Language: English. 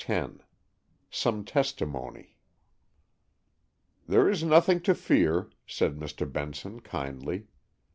X SOME TESTIMONY "There is nothing to fear," said Mr. Benson kindly.